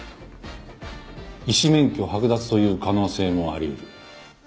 医師免許剥奪という可能性もあり得る。